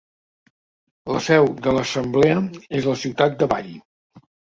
La seu de l'assemblea és la ciutat de Bari.